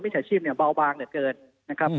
วิชาชีพเบาบางเหนือเกิน